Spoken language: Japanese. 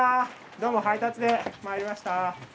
どうも配達で参りました。